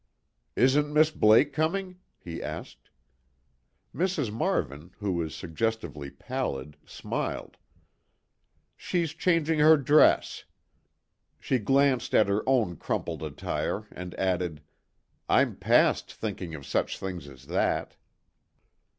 "Isn't Miss Blake coming?" he asked. Mrs. Marvin, who was suggestively pallid, smiled. "She's changing her dress." She glanced at her own crumpled attire and added: "I'm past thinking of such things as that."